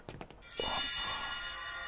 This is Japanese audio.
あっ。